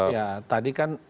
ya tadi kan